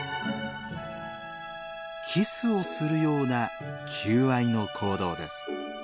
キスをするような求愛の行動です。